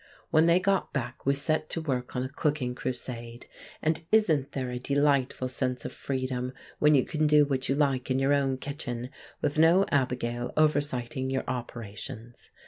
When they got back we set to work on a cooking crusade; and isn't there a delightful sense of freedom when you can do what you like in your own kitchen, with no Abigail oversighting your operations!